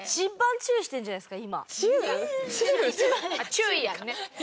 「注意」やんね？